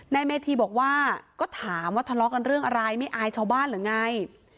นายเมธีบอกว่าก็ถามว่าทะเลาะกันเรื่องอะไรไม่อายชาวบ้านหรือไง